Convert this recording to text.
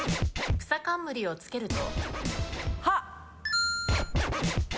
くさかんむりをつけると？